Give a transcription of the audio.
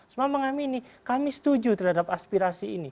semama sama kami setuju terhadap aspirasi ini